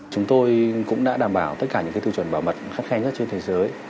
chúng tôi cũng đã đảm bảo tất cả những tiêu chuẩn bảo mật khách khen nhất trên thế giới